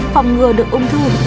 phòng ngừa được ung thư